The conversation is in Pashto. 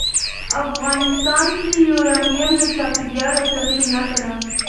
افغانستان کې یورانیم د چاپېریال د تغیر نښه ده.